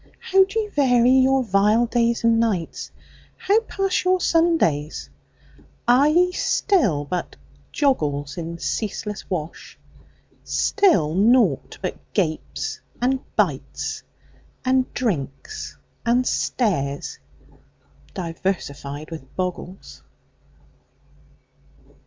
How do ye vary your vile days and nights? How pass your Sundays? Are ye still but joggles In ceaseless wash? Still naught but gapes and bites, And drinks and stares, diversified with boggles?